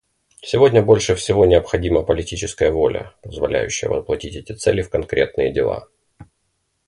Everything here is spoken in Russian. Сегодня больше всего необходима политическая воля, позволяющая воплотить эти цели в конкретные дела.